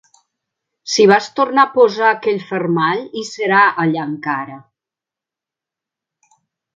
Si vas tornar a posar aquell fermall, hi serà allà encara.